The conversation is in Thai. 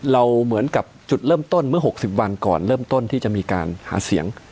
เราเหมือนกับจุดเริ่มต้นเมื่อ๖๐วันก่อนเริ่มต้นที่จะมีการหาเสียง